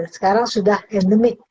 sekarang sudah endemik